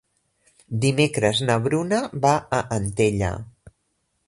Dimecres na Bruna va a Antella.